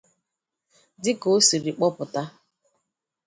Dịka o siri kpọpụta